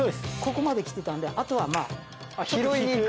ここまで来てたんであとは。